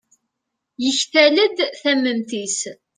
yektal-d tamemt-is